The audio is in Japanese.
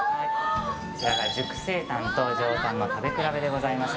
こちら、熟成タンと上タンの食べ比べでございます。